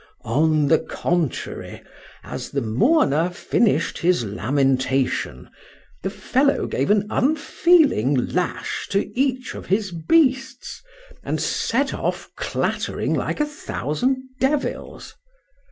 —On the contrary, as the mourner finished his lamentation, the fellow gave an unfeeling lash to each of his beasts, and set off clattering like a thousand devils.